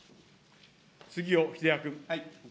杉尾秀哉君。